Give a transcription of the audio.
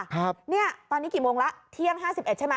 ปมนี้กี่โมงแล้วเที่ยง๒๑๐๐ใช่ไหม